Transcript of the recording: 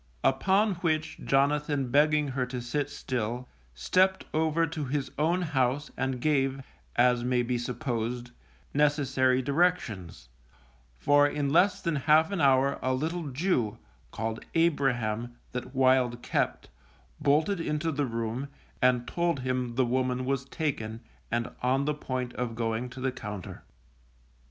Upon which Jonathan begging her to sit still, stepped over to his own house and gave, as may be supposed, necessary directions, for in less than half an hour a little Jew (called Abraham) that Wild kept, bolted into the room, and told him the woman was taken, and on the point of going to the Compter.